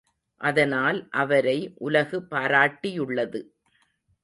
அதனால் அவரை உலகு பாராட்டியுள்ளது.